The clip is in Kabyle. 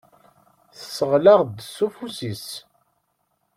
Tesɣel-aɣ-d s ufus-is.